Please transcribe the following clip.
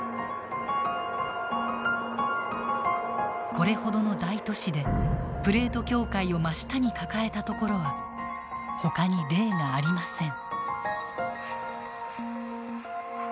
これほどの大都市でプレート境界を真下に抱えた所はほかに例がありません。